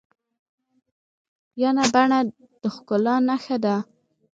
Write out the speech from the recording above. ینه بڼه د ښکلا نخښه ده.